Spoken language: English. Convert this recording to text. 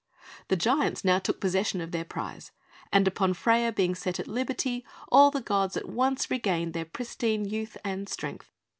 The giants now took possession of their prize; and upon Freia being set at liberty, all the gods at once regained their pristine youth and strength.